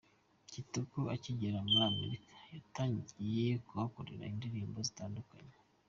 Kitoko akigera muri Amerika yatangiye kuhakorera indirimbo zitandukanye .